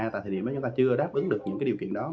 tại thời điểm mà chúng ta chưa đáp ứng được những điều kiện đó